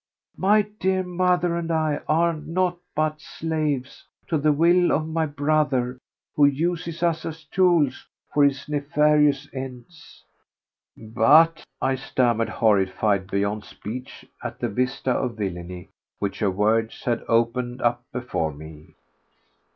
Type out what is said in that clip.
My dear mother and I are naught but slaves to the will of my brother, who uses us as tools for his nefarious ends." "But ..." I stammered, horrified beyond speech at the vista of villainy which her words had opened up before me.